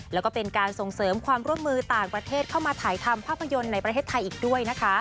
แล้วก็เป็นการส่งเสริมความร่วมมือต่างประเทศเข้ามาถ่ายทำภาพยนตร์ในประเทศไทยอีกด้วยนะคะ